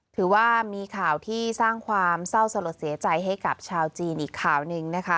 ถือว่ามีข่าวที่สร้างความเศร้าสลดเสียใจให้กับชาวจีนอีกข่าวหนึ่งนะคะ